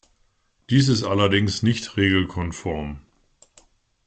Dies ist allerdings nicht regelkonform.